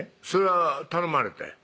それは頼まれて？